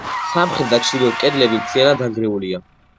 სამხრეთ და ჩრდილოეთ კედლები მთლიანად დანგრეულია.